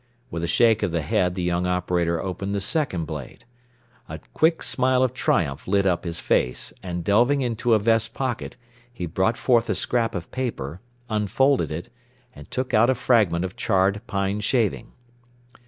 With a shake of the head the young operator opened the second blade. A quick smile of triumph lit up his face, and delving into a vest pocket, he brought forth a scrap of paper, unfolded it, and took out a fragment of charred pine shaving.